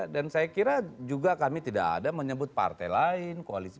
dan saya kira juga kami tidak ada menyebut partai lain koalisi